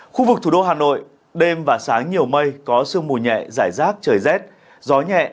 khu vực thủ đô hà nội đêm và sáng nhiều mây có sương mù nhẹ giải rác trời rét gió nhẹ nhiệt độ từ một mươi năm đến hai mươi năm độ